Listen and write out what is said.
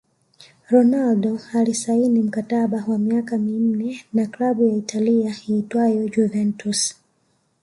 Ronaldo alisaini mkataba wa miaka minne na klabu ya Italia iitwayo Juventus